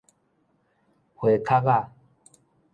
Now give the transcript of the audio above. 花殼仔